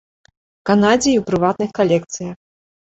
Канадзе і ў прыватных калекцыях.